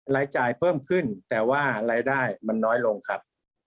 รายจ่ายเพิ่มขึ้นแต่ว่ารายได้มันน้อยลงครับ